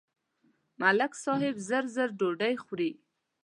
ملک صاحب زر زر ډوډۍ خوري.